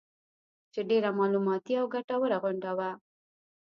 چې ډېره معلوماتي او ګټوره غونډه وه